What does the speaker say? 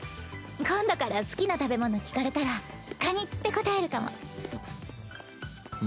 今度から好きな食べ物聞かれたらかにって答えるかも。